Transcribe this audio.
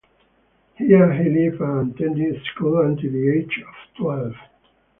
Here he lived and attended school until the age of twelve.